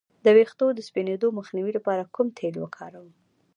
د ویښتو د سپینیدو مخنیوي لپاره کوم تېل وکاروم؟